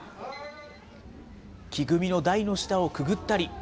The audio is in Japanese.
木組みの台の下をくぐったり。